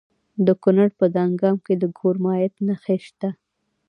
د کونړ په دانګام کې د کرومایټ نښې شته.